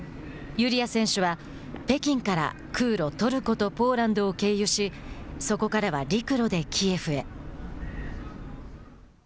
ユリア選手は、北京から空路・トルコとポーランドを経由しそこからは陸路でキエフへ。